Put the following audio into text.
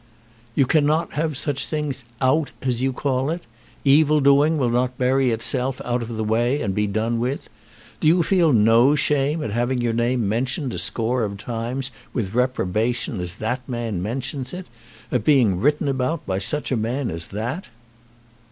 "You cannot have such things 'out,' as you call it. Evil doing will not bury itself out of the way and be done with. Do you feel no shame at having your name mentioned a score of times with reprobation as that man mentions it; at being written about by such a man as that?"